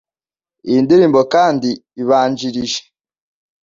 Iyi ndirimbo kandi ibanjirije